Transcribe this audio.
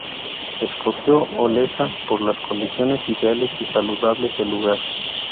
Escogió Olesa por las condiciones ideales y saludables del lugar.